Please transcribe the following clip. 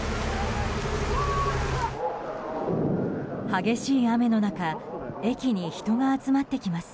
激しい雨の中駅に人が集まってきます。